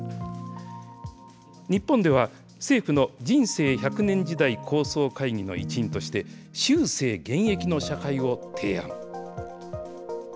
日本では、政府の人生１００年時代構想会議の一員として、終生現役の社会を提案。